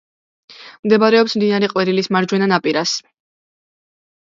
მდებარეობს მდინარე ყვირილის მარჯვენა ნაპირას.